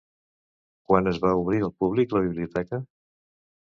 Quan es va obrir al públic la biblioteca?